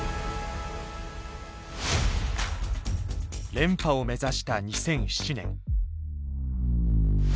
連覇を目指した２００７年。